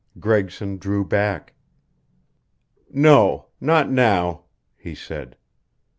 Gregson drew back. "No not now," he said.